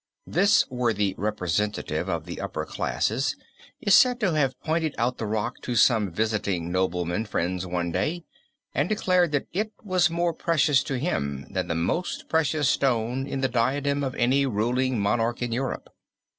This worthy representative of the upper classes is said to have pointed out the rock to some visiting nobleman friends one day, and declared that it was more precious to him than the most precious stone in the diadem of any ruling monarch in Europe.